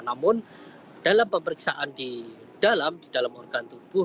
namun dalam pemeriksaan di dalam di dalam organ tubuh